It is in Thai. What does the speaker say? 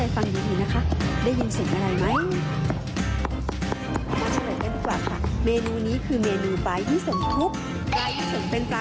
ไฟอ่อนจนสุกค่ะ